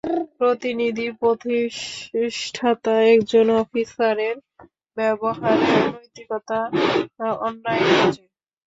প্রতিনিধি প্রতিষ্ঠতা একজন অফিসারের ব্যাবহারে নৈতিকতা, অন্যায় খোজে।